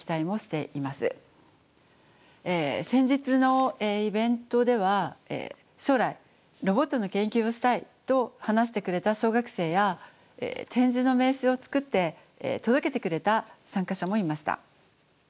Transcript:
先日のイベントでは将来ロボットの研究をしたいと話してくれた小学生や点字の名刺を作って届けてくれた参加者もいました。